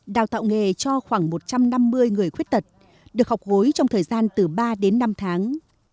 đào tạo nghề cho khoảng một trăm năm mươi người khuyết tật được học gối trong thời gian từ ba đến năm tháng